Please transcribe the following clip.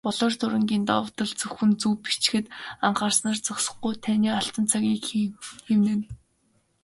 "Болор дуран"-ийн давуу тал зөвхөн зөв бичихэд анхаарснаар зогсохгүй, таны алтан цагийг хэмнэнэ.